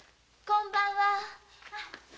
こんばんは。